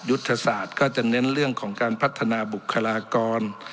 ยุทธศาสตร์ก็จะเน้นเรื่องของการพัฒนาบุคลากร